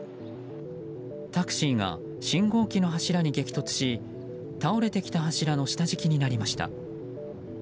タクシーが信号機の柱に激突し倒れてきた柱の下敷きになりました。